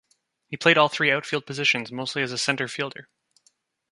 He played all three outfield positions, mostly as a center fielder.